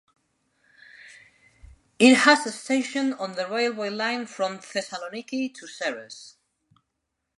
It has a station on the railway line from Thessaloniki to Serres.